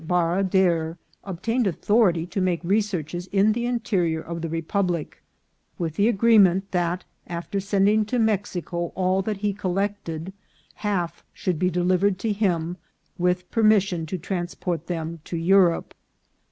Baradere obtained authority to make researches in the interior of the republic, with the agreement that after sending to Mexico all that he collected, half should be delivered to him, with permission to transport them to Europe.